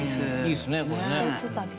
いいですねこれね。